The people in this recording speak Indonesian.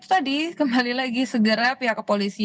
ya catatannya itu tadi kembali lagi segera pihak kepolisian